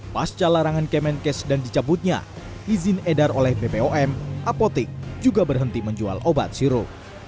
pasca larangan kemenkes dan dicabutnya izin edar oleh bpom apotek juga berhenti menjual obat sirup